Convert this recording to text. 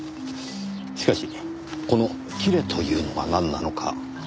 しかしこの「キレ」というのはなんなのか。